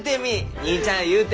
義兄ちゃんゆうて。